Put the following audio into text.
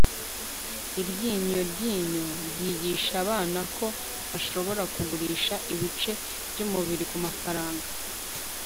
iryinyo ryinyo ryigisha abana ko bashobora kugurisha ibice byumubiri kumafaranga